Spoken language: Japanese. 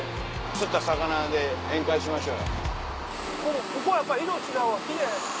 釣った魚で宴会しましょう。